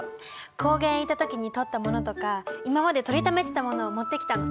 高原へ行った時に撮ったものとか今まで撮りためてたものをもってきたの。